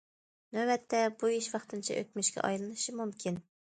نۆۋەتتە، بۇ ئىش ۋاقتىنچە ئۆتمۈشكە ئايلىنىشى مۇمكىن.